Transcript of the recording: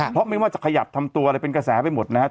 เพราะไม่ว่าจะขยับทำตัวอะไรเป็นกระแสไปหมดนะครับ